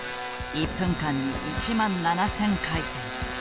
１分間に１万７，０００回転。